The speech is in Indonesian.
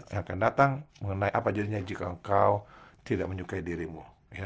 yang akan datang mengenai apa jadinya jika engkau tidak menyukai dirimu